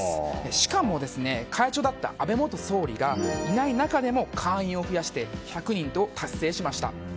しかも、会長だった安倍元総理がいない中でも会員を増やして１００人を達成しました。